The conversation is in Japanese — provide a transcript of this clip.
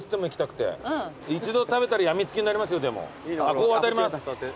ここ渡ります。